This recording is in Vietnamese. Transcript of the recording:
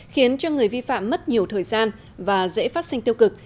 khiến cho người vi phạm mất nhiều thời gian và dễ phát sinh tiêu cực